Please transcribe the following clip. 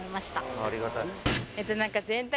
「ありがたい」